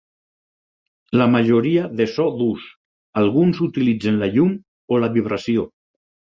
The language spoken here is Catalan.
La majoria de so d'ús; alguns utilitzen la llum o la vibració.